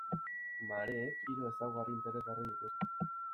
Mareek hiru ezaugarri interesgarri dituzte.